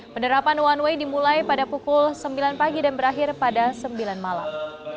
penerapan one way dimulai pada pukul sembilan pagi dan berakhir pada sembilan malam